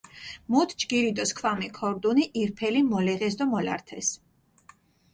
მუთ ჯგირი დო სქვამი ქორდუნი ირფელი მოლეღეს დო მოლართეს.